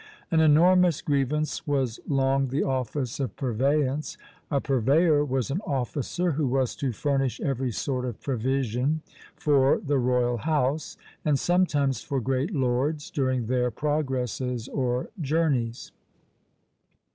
An enormous grievance was long the office of purveyance. A purveyor was an officer who was to furnish every sort of provision for the royal house, and sometimes for great lords, during their progresses or journeys.